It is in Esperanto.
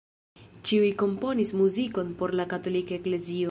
Ĉiuj komponis muzikon por la katolika eklezio.